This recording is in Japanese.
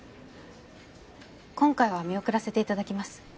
今回は見送らせていただきます